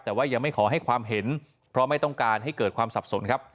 แต่ว่ายังไม่ขอให้ความเห็นเพราะไม่ต้องการให้เกิดความสับสนครับ